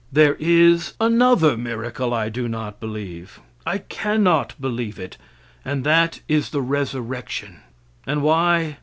There is another miracle I do not believe, I cannot believe it, and that is the resurrection. And why?